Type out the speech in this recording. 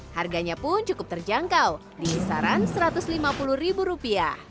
harganya pun cukup terjangkau di kisaran rp satu ratus lima puluh